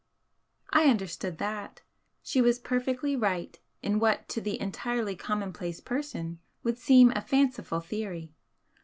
I understood that; she was perfectly right in what to the entirely commonplace person would seem a fanciful theory.